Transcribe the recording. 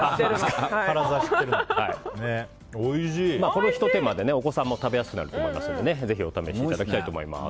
このひと手間でお子さんも食べやすくなると思うのでぜひお試しいただきたいと思います。